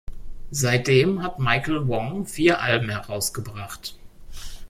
Seitdem hat Michael Wong vier Alben herausgebracht.